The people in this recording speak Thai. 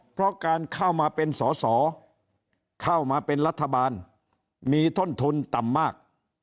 เพราะการเข้ามาเป็นสอสอเข้ามาเป็นรัฐบาลมีต้นทุนต่ำมาก